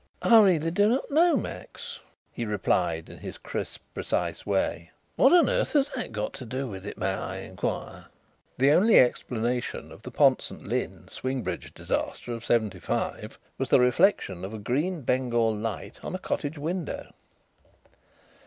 "I really do not know, Max," he replied, in his crisp, precise way. "What on earth has that got to do with it, may I inquire?" "The only explanation of the Pont St. Lin swing bridge disaster of '75 was the reflection of a green bengal light on a cottage window."